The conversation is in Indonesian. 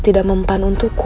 tidak mempan untukku